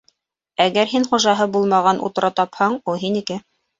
Әгәр һин хужаһы булмаған утрау тапһаң, ул һинеке.